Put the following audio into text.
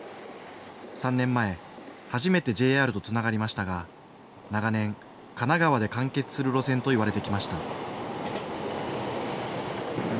３年前、初めてＪＲとつながりましたが、長年、神奈川で完結する路線といわれてきました。